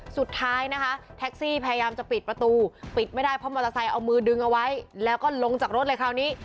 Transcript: สุดท้ายนะคะแท็กซี่พยายามจะปิดประตูปิดไม่ได้เพราะมอเตอร์ไซค์เอามือดึงเอาไว้แล้วก็ลงจากรถเลยคราวนี้